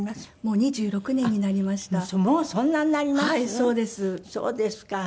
そうですか。